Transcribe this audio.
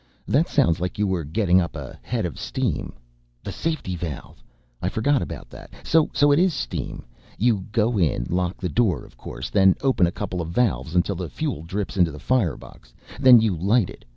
That sounds like you were getting up a head of steam the safety valve! I forgot about that. So it is steam. You go in, lock the door of course, then open a couple of valves until the fuel drips into the firebox, then you light it.